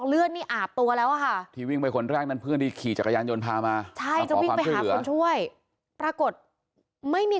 เป็นบ้านเจ้าของโรมะนี่